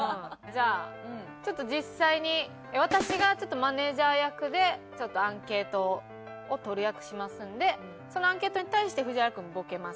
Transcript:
じゃあちょっと実際に私がマネージャー役でアンケートを取る役しますんでそのアンケートに対して藤原君ボケます。